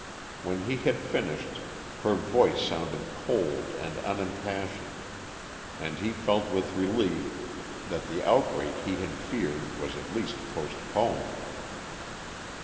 When he had finished, her voice sounded cold and unimpassioned, and he felt with relief that the outbreak he had feared was at least postponed.